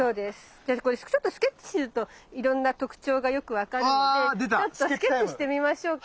じゃあこれちょっとスケッチするといろんな特徴がよく分かるのでちょっとスケッチしてみましょうか。